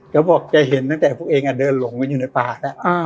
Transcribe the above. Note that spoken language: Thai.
บอกแกเห็นตั้งแต่พวกเองเดินหลงกันอยู่ในป่าแล้ว